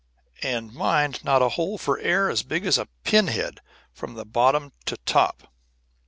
And mind, not a hole for air as big as a pin head from bottom to top."